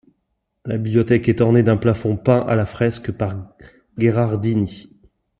La bibliothèque est ornée d'un plafond peint à la fresque par Ghérardini.